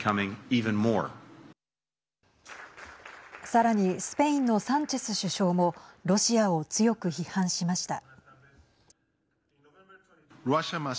さらにスペインのサンチェス首相もロシアを強く批判しました。